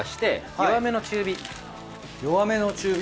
弱めの中火？